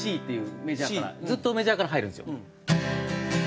ずっとメジャーから入るんですよ。